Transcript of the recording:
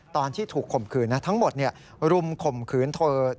ตอนที่ถูกข่มขืนทั้งหมดรุมข่มขืนเธอ